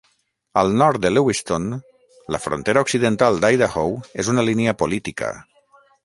Al nord de Lewiston, la frontera occidental d'Idaho és una línia política.